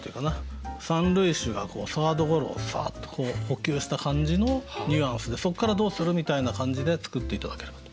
三塁手がサードゴロをサーッと捕球した感じのニュアンスでそっからどうする？みたいな感じで作って頂ければと。